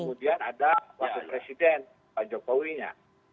kemudian ada wakil presiden pak jokowi nya